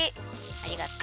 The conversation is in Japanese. ありがとう。